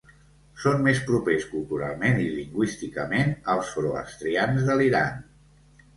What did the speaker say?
Són més propers culturalment i lingüísticament als zoroastrians de l'Iran.